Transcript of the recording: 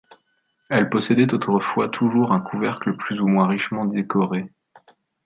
Elles possédaient autrefois toujours un couvercle plus ou moins richement décoré.